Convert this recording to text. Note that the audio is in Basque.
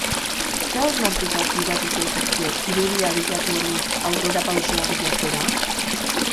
Zer hausnarketak gidatu zaituzte irudia bilatu ordez aurrerapausoa bilatzera?